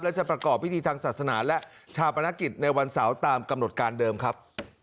และจะประกอบพิธีทางศาสนาและชาปนกิจในวันเสาร์ตามกำหนดการเดิมครับ